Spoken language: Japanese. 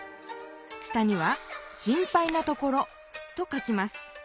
下には「心配なところ」と書きます。